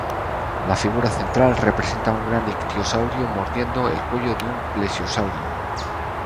La figura central representa a un gran ictiosaurio mordiendo el cuello de un plesiosaurio.